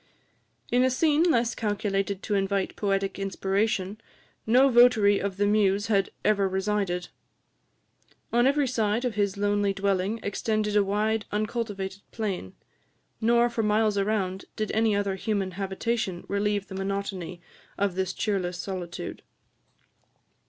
In a scene less calculated to invite poetic inspiration no votary of the muse had ever resided. On every side of his lonely dwelling extended a wild uncultivated plain; nor for miles around did any other human habitation relieve the monotony of this cheerless solitude.